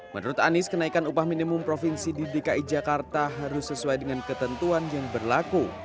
menurut anies kenaikan upah minimum provinsi di dki jakarta harus sesuai dengan ketentuan yang berlaku